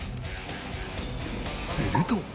すると。